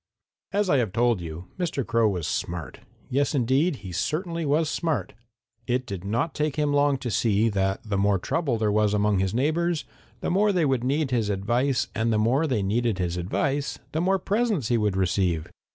"As I have told you, Mr. Crow was smart. Yes, indeed, he certainly was smart. It did not take him long to see that the more trouble there was among his neighbors the more they would need his advice, and the more they needed his advice the more presents he would receive.